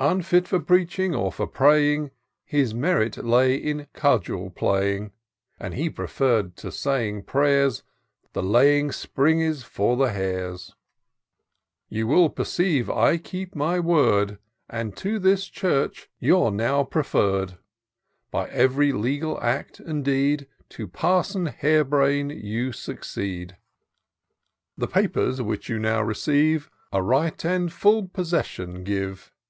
Unfit for preaching or for praying. His merit lay in cudgel playing : And he preferr'd, to sajdng prayers. The laying springes for the hares. IN SEARCH OF THE PICTURESQUE. 357 " You will perceive I keep my word, And to this church you're now preferred : By ev'ry legal act and deed, To Parson Harebrain you succeed : The papers which you now receive A right and fiill possession give.